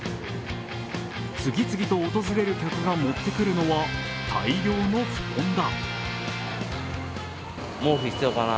次々と訪れる客が持ってくるのは大量の布団だ。